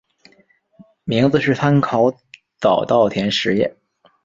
名字是参考早稻田实业。